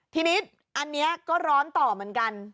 ทีนี้อันนี้ก็ร้อนต่อเหมือนกัน